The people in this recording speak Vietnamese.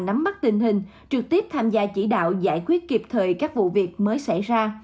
nắm bắt tình hình trực tiếp tham gia chỉ đạo giải quyết kịp thời các vụ việc mới xảy ra